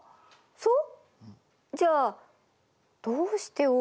そう。